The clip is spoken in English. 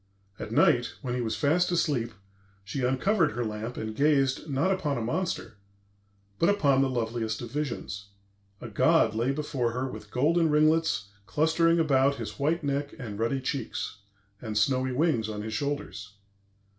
At night, when he was fast asleep, she uncovered her lamp and gazed, not upon a monster, but upon the loveliest of visions. A god lay before her with golden ringlets clustering about his white neck and ruddy cheeks, and snowy wings on his shoulders.